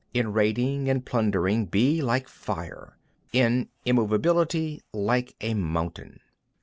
18. In raiding and plundering be like fire, in immovability like a mountain.